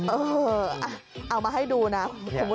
เออเอามาให้ดูนะคุณผู้ส่งค่ะ